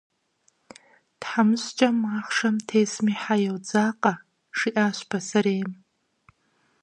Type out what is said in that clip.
«Тхьэмыщкӏэм махъшэ тесми хьэ къодзакъэ», жиӏащ пасэрейм.